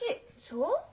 そう？